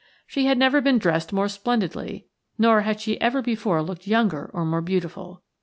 She had never been dressed more splendidly, nor had she ever before looked younger or more beautiful.